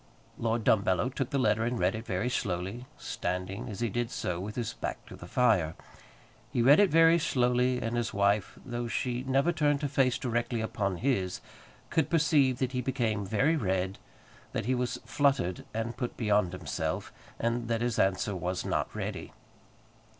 Lord Dumbello took the letter and read it very slowly, standing, as he did so, with his back to the fire. He read it very slowly, and his wife, though she never turned her face directly upon his, could perceive that he became very red, that he was fluttered and put beyond himself, and that his answer was not ready.